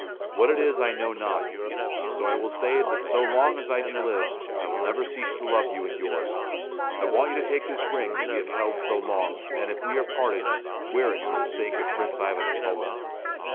What it is I know not. So I will say that so long as I do live, I will never cease to love you and yours. I want you to take this ring that we have held so long and if we are parted, wear it for the sake of Prince Ivan of Poland."